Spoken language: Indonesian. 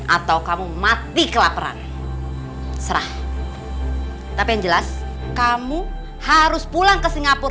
aku tetap mau di sini